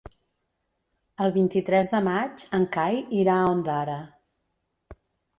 El vint-i-tres de maig en Cai irà a Ondara.